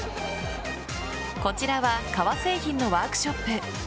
こちらは革製品のワークショップ。